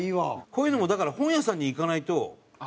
こういうのもだから本屋さんに行かないと。